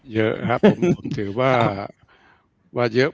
เยอะครับผมผมถือว่าเยอะ